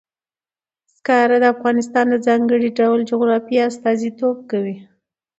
زغال د افغانستان د ځانګړي ډول جغرافیه استازیتوب کوي.